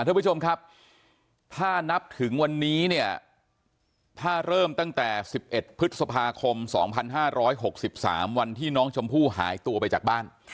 ท่านผู้ชมครับถ้านับถึงวันนี้เนี่ยถ้าเริ่มตั้งแต่๑๑พฤษภาคม๒๕๖๓วันที่น้องชมพู่หายตัวไปจากบ้าน